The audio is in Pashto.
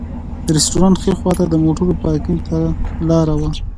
د رسټورانټ ښي خواته د موټرو پارکېنګ ته لاره وه.